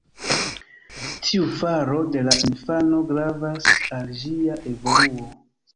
Tiu faro de la infano gravas al ĝia evoluo.